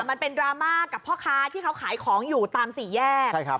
มันเป็นดราม่ากับพ่อค้าที่เขาขายของอยู่ตามสี่แยก